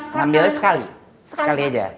ngambilnya sekali sekali aja